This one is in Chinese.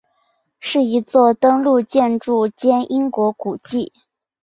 是一座登录建筑兼英国古迹。